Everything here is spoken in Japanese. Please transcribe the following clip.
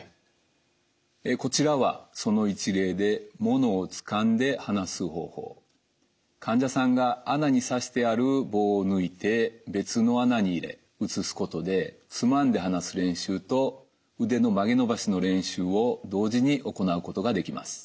こちらはその一例で患者さんが穴に差してある棒を抜いて別の穴に入れ移すことでつまんで放す練習と腕の曲げ伸ばしの練習を同時に行うことができます。